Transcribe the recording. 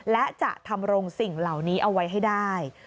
และจะทำรงสิ่งเหล่านี้เอาไว้ให้ได้